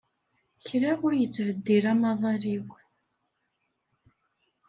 Kra ur yettbeddil amaḍal-iw.